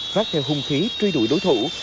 phát theo hung khí truy đuổi đối thủ